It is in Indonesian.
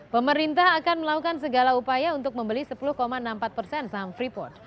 pemerintah akan melakukan segala upaya untuk membeli sepuluh enam puluh empat persen saham freeport